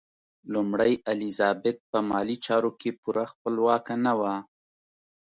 لومړۍ الیزابت په مالي چارو کې پوره خپلواکه نه وه.